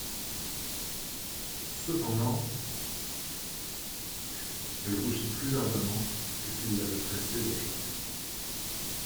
Cependant …» Elle rougit plus ardemment que s'il l'avait pressée d'achever.